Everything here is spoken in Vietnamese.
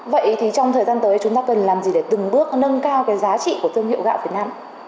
vậy thì trong thời gian tới chúng ta cần làm gì để từng bước nâng cao cái giá trị của thương hiệu gạo việt nam